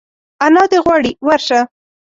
انا دي غواړي ورشه !